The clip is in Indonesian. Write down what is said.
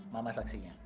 mama saksinya emang ya